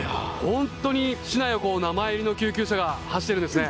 本当に市内を名前入りの救急車が走ってるんですね。